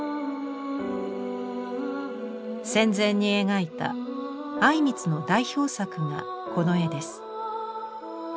戦前に描いた靉光の代表作がこの絵です。